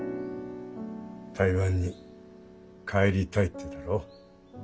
台湾に帰りたいってだろ？